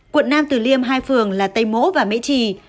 quận nam tử liêm hai phường là tây mỗ và mễ trì